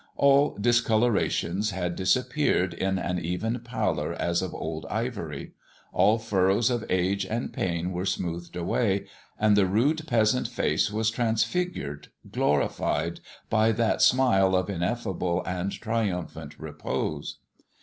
All discolorations had disappeared in an even pallor as of old ivory; all furrows of age and pain were smoothed away, and the rude peasant face was transfigured, glorified, by that smile of ineffable and triumphant repose.